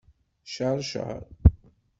Ceṛceṛ.